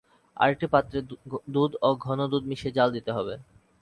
আরেকটি পাত্রে দুধ ও ঘন দুধ মিশিয়ে জ্বাল দিতে হবে।